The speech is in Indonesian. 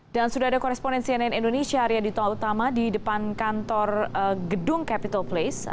dan sudah ada koresponen cnn indonesia arya ditong utama di depan kantor gedung capital place